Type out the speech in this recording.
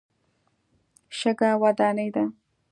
شګه وداني ده.